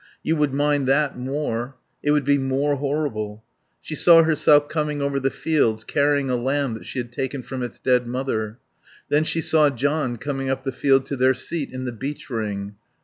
You would mind that more; it would be more horrible.... She saw herself coming over the fields carrying a lamb that she had taken from its dead mother. Then she saw John coming up the field to their seat in the beech ring.